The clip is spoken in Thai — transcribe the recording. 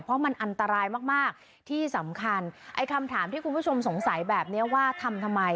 เพราะมันอันตรายมากมากที่สำคัญไอ้คำถามที่คุณผู้ชมสงสัยแบบนี้ว่าทำทำไม